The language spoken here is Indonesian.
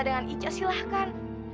dengan ica silahkan